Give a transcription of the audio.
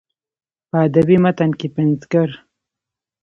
په ادبي متن کې پنځګر